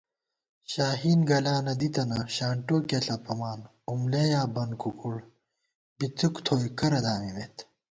شاہین گلانہ دِتَنہ ، شانٹوکِیہ ݪَپَمان * اُملہ یا بن کُکُڑ ، بِتُوک تھوئی کرہ دامِمېت